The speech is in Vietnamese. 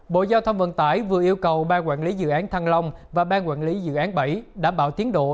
bộ giao thông vận tải vừa yêu cầu ban quản lý dự án thăng long và ban quản lý dự án bảy đảm bảo tiến độ